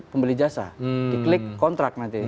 pembeli jasa diklik kontrak nanti